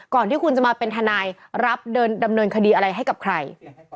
ก่อนที่คุณจะมาเป็นทนายรับดำเนินคดีอะไรให้กับใคร